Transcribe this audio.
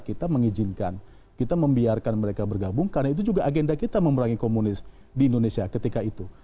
kita mengizinkan kita membiarkan mereka bergabung karena itu juga agenda kita memerangi komunis di indonesia ketika itu